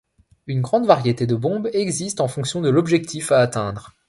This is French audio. Une grande variété de bombes existe en fonction de l'objectif à atteindre.